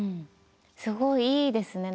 すごいいいですね。